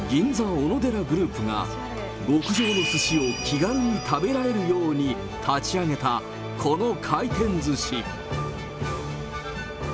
おのでらグループが、極上のすしを気軽に食べられるように立ち上げたこの回転ずし。